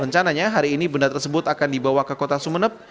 rencananya hari ini benda tersebut akan dibawa ke kota sumeneb